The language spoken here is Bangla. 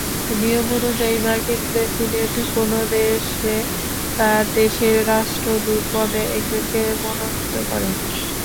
নিয়মানুযায়ী, মার্কিন প্রেসিডেন্ট কোনো দেশে তাঁর দেশের রাষ্ট্রদূত পদে একজনকে মনোনীত করেন।